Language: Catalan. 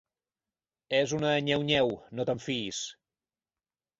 És una nyeu-nyeu: no te'n fiïs.